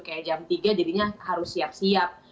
kayak jam tiga jadinya harus siap siap